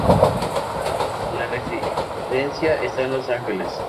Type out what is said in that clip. Su residencia está en Los Ángeles.